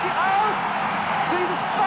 スクイズ失敗！